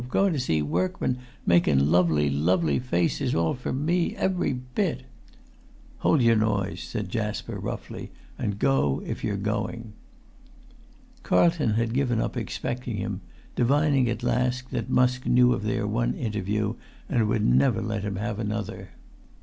Goin' to see workman makin' lovely, lovely faces all for me—every bit!" "Hold your noise," said Jasper, roughly; "and go, if you're going." Carlton had given up expecting him, divining at last that Musk knew of their one interview, and would never let them have another.